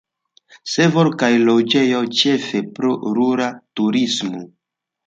Servoj kaj loĝejoj, ĉefe pro rura turismo.